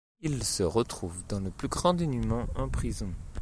Il se retrouve dans le plus grand dénuement en prison.